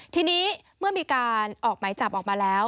ทีนี้เมื่อมีการออกหมายจับออกมาแล้ว